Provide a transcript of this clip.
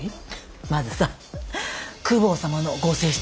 まずさ公方様のご正室。